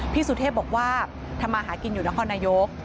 สุเทพบอกว่าทำมาหากินอยู่นครนายก